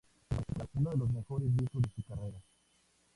Entre sus fanes está considerado uno de los mejores discos de su carrera.